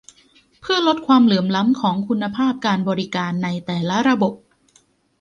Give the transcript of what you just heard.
เพื่อลดความเหลื่อมล้ำของคุณภาพการบริการ ในแต่ละระบบ